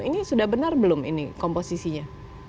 ini sudah benar belum ini komposisinya